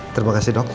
terima kasih dok